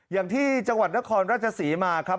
อย่างที่จังหวัดนครราชศรีมาครับ